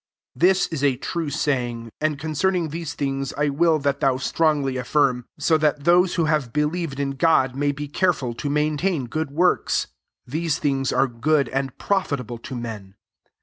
8 This is a true saying, and con cerning these tAings I will that thou strongly affii^m; so that those who have believed in God may be careful to maintain good i works. These [r/ri«^*3 are good | and profitable to men.